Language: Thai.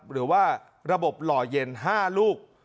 หรือว่าระบบหล่อเย็น๕ลูก